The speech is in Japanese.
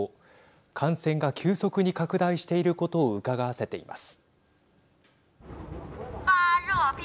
感染が急速に拡大していることをうかがわせています。